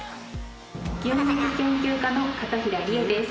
牛肉研究家の片平梨絵です。